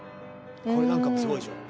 これなんかもすごいでしょ。